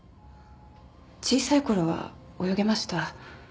小さいころは泳げました。